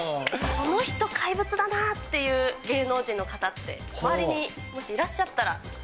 この人怪物だなっていう芸能人の方って周りにもし、いらっしゃったら。